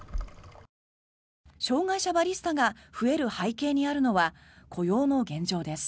障害者バリスタが増える背景にあるのは雇用の現状です。